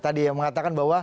tadi mengatakan bahwa